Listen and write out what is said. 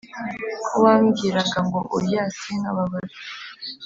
ko wambwiraga ngo oya sinkababare